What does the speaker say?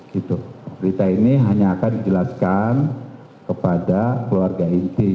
berita ini hanya akan dijelaskan kepada keluarga inti